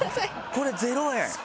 これ０円？